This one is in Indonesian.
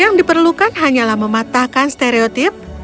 yang diperlukan hanyalah mematahkan stereotip